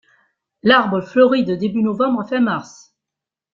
L'arbre fleurit de début novembre à fin mars.